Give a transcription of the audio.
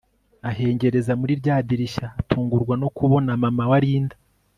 ahengereza muri rya dirishya atungurwa no kubona mama wa Linda